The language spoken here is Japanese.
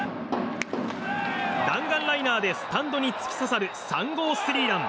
弾丸ライナーでスタンドに突き刺さる３号スリーラン。